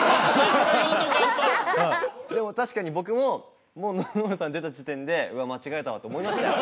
でも確かに僕ももう野々村さん出た時点でうわ間違えたわと思いましたよ